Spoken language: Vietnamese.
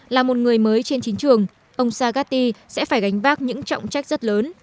là một người mới trên chính trường ông sagasti sẽ phải gánh vác những trọng trách rất lớn